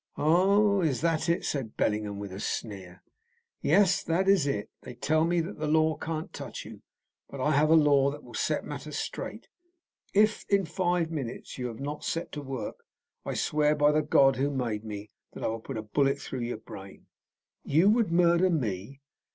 "Oh, is that it?" said Bellingham with a sneer. "Yes, that is it. They tell me that the law can't touch you. But I have a law that will set matters straight. If in five minutes you have not set to work, I swear by the God who made me that I will put a bullet through your brain!" "You would murder me?"